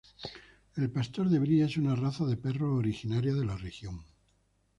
El pastor de Brie es una raza de perros originaria de la región.